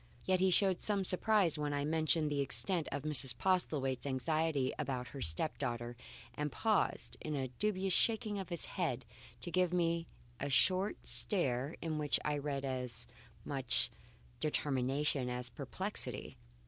Yet he showed some surprise when I mentioned the extent of Mrs. Postlethwaite's anxiety about her step daughter, and paused, in the dubious shaking of his head, to give me a short stare in which I read as much determination as perplexity.